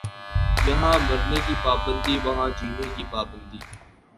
یہاں مرنے کی پابندی وہاں جینے کی پابندی